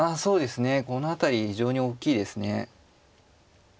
この辺り非常に大きいですね。